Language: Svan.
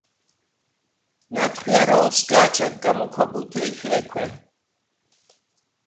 ნათხვიარო̄ლ სგა̄ჩად გამოქვაბულთე ი ხე̄ქვე: